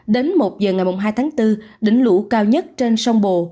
đến một giờ ngày hai tháng bốn đỉnh lũ cao nhất trên sông bồ